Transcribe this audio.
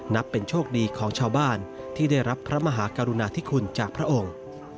นับเป็นโชคดีของชาวบ้านที่ได้รับพระมหากรุณาธิคุณจากพระองค์